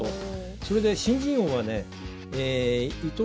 それで新人王はね伊藤匠